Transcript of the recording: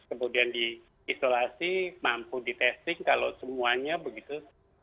kemudian diisolasi mampu di testing kalau semuanya begitu